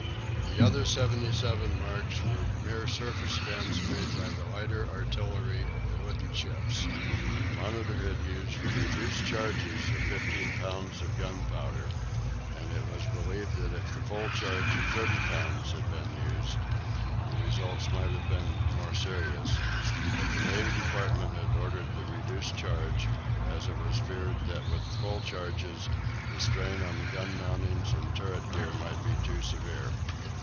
The other seventy seven marks were mere surface dents made by the lighter artillery of the wooden ships. The "Monitor" had used reduced charges of 15 pounds of gunpowder, and it was believed that if the full charge of 30 pounds had been used, the results might have been more serious, but the Navy Department had ordered the reduced charge, as it was feared that with full charges the strain on the gun mountings and turret gear would be too severe.